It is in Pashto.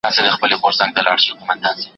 زه له سهاره د سبا لپاره د يادښتونه يادوم!!